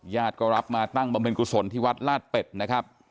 ญาติก็รับมาตั้งบำเพ็ญกุศลที่วัดลาดเป็ดนะครับ